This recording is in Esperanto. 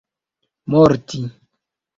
morti